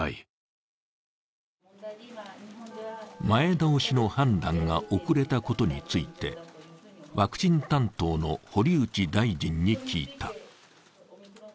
前倒しの判断が遅れたことについて、ワクチン担当の堀内大臣に聞いた。